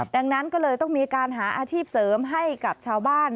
ดังนั้นก็เลยต้องมีการหาอาชีพเสริมให้กับชาวบ้าน